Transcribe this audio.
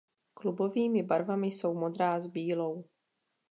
Klubovými barvami jsou modrá s bílou.